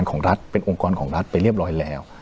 ของรัฐเป็นองค์กรของรัฐไปเรียบร้อยแล้ว